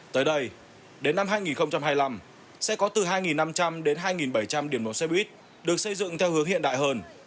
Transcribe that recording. tới đây đến năm hai nghìn hai mươi năm sẽ có từ hai năm trăm linh đến hai bảy trăm linh điểm bóng xe buýt được xây dựng theo hướng hiện đại hơn